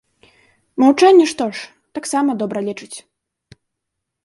Маўчанне што ж, таксама добра лечыць.